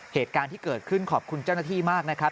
เหตุการณ์ที่เกิดขึ้นขอบคุณเจ้าหน้าที่มากนะครับ